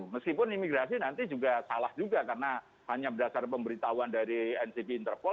meskipun imigrasi nanti juga salah juga karena hanya berdasar pemberitahuan dari ncb interpol